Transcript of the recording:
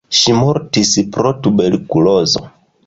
Ŝi mortis pro tuberkulozo.